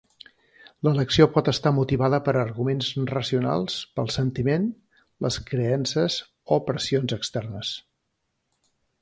L'elecció pot estar motivada per arguments racionals, pel sentiment, les creences o pressions externes.